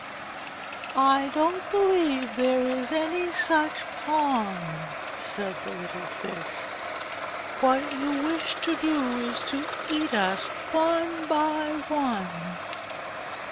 "I don't believe there is any such pond," said the little Fish. "What you wish to do is to eat us, one by one."